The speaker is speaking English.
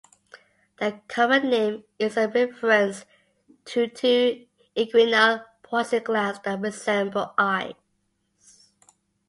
The common name is a reference to two inguinal poison glands that resemble eyes.